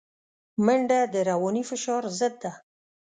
منډه د رواني فشار ضد ده